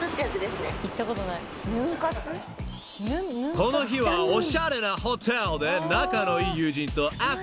［この日はおしゃれなホテルで仲のいい］